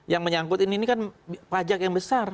yang menyangkut ini kan pajak yang besar